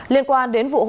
liên quan đến vụ hỗn trợ